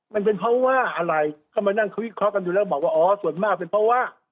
มันเป็นเพราะว่าอะไรก็มานั่งคุยวิเคราะห์กันอยู่แล้วบอกว่าอ๋อส่วนมากเป็นเพราะว่า